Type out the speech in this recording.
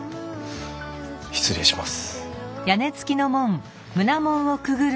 失礼します。